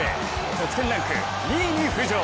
得点ランク２位に浮上！